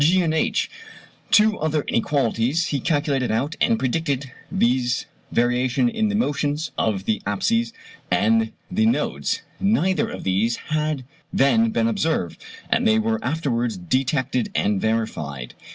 (g) and (h) Two other inequalities he calculated out and predicted, viz. variation in the motions of the apses and the nodes. Neither of these had then been observed, but they were afterwards detected and verified.